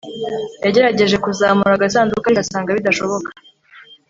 yagerageje kuzamura agasanduku, ariko asanga bidashoboka